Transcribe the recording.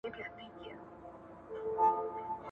پړاو باید خلګو ته د پېژندلو وړ وي.